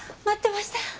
待ってました！